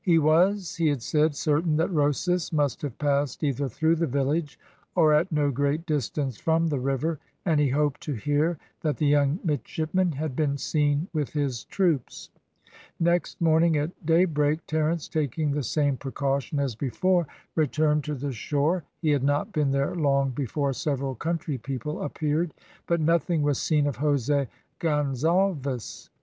He was, he had said, certain that Rosas must have passed either through the village, or at no great distance from the river, and he hoped to hear that the young midshipmen had been seen with his troops. Next morning at daybreak, Terence taking the same precaution as before, returned to the shore. He had not been there long before several country people appeared, but nothing was seen of Jose Gonzalves.